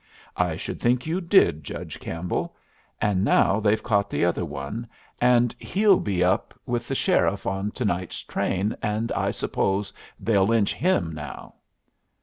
"I should think you did, Judge Campbell. And now they've caught the other one, and he'll be up with the sheriff on to night's train, and I suppose they'll lynch him now!"